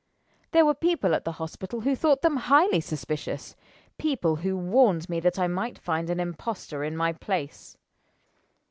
There were people at the Hospital who thought them highly suspicious people who warned me that I might find an impostor in my place."